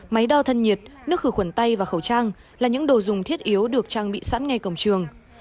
máy đo thân nhiệt nước khử khuẩn tay và khẩu trang là những đồ dùng thiết yếu được trang bị sẵn ngay cổng trường